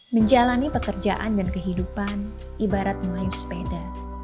menjalani pekerjaan dan kehidupan ibarat melayu sepeda